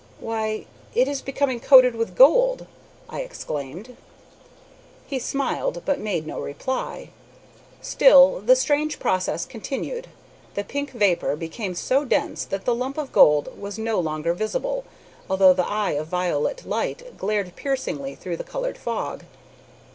"Why, it is becoming coated with gold!" I exclaimed. He smiled, but made no reply. Still the strange process continued. The pink vapor became so dense that the lump of gold was no longer visible, although the eye of violet light glared piercingly through the colored fog.